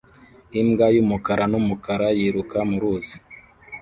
imbwa y'umukara n'umukara yiruka mu ruzi